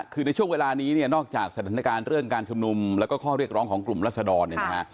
คือในช่วงเวลานี้เนี่ยนอกจากสถานการณ์เรื่องการชุมนุมแล้วก็ข้อเรียกร้องของกลุ่มรัศดรเนี่ยนะฮะ